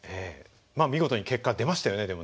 見事に結果は出ましたよねでも。